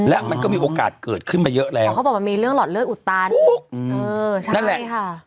แล้วมันก็มีโอกาสเกิดขึ้นมาเยอะแล้วเขาบอกมันมีเรื่องหลอดเลือดอุตตานอุ๊คเออใช่ค่ะนั่นแหละ